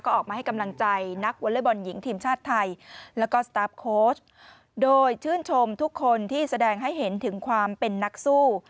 ก็ออกมาให้กำลังใจนักวอเล็กบอลหญิงทีมชาติไทยแล้วก็สตาร์ฟโค้ชโดยชื่นชมทุกคนที่แสดงให้เห็นถึงความเป็นนักสู้